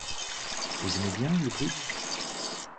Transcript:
Vous aimez bien le bridge?